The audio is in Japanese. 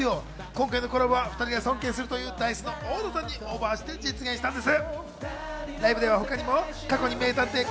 今回のコラボは２人が尊敬するというＤａ−ｉＣＥの大野さんにオファーして実現したんです。